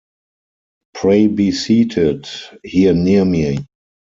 Pray be seated — here near me.